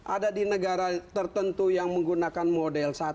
ada di negara tertentu yang menggunakan model satu